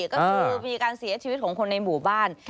ก็คือมีการเสียชีวิตของคนในหมู่บ้าน